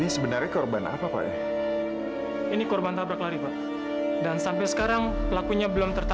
sampai jumpa di video selanjutnya